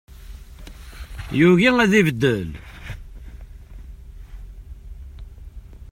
Yugi ad ibeddel.